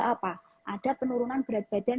apa ada penurunan berat badan